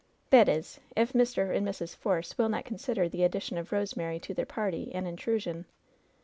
"That is, if Mr. and Mrs. Force will not consider the addition of Rosemary to their party an intrusion."